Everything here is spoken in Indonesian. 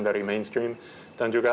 dari mainstream dan juga